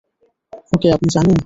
ওকে, আপনি জানেন?